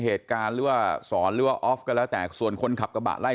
เหตุการณ์หรือว่าสอนหรือว่าออฟก็แล้วแต่ส่วนคนขับกระบะไล่